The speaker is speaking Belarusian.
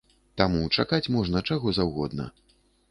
Таму чакаць можна чаго заўгодна!